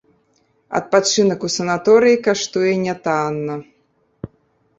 Адпачынак у санаторыі каштуе нятанна.